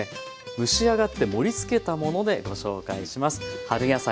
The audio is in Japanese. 蒸し上がって盛りつけたものでご紹介します。